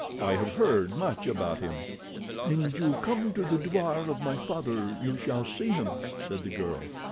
"I have heard much about him." "And you come to the douar of my father you shall see him," said the girl.